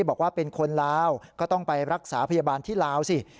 บอกว่าเป็นคนลาวก็ต้องไปรักษาพยาบาลที่ลาวสิ